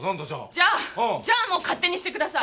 じゃあじゃあもう勝手にしてください！